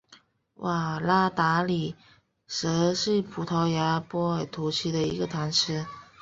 瓦拉达里什是葡萄牙波尔图区的一个堂区。